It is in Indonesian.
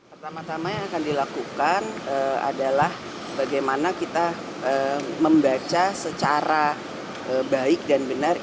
pertama tama yang akan dilakukan adalah bagaimana kita membaca secara baik dan benar